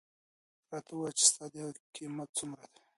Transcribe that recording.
راته ووایه چې ستا د هغې قیمت څومره دی.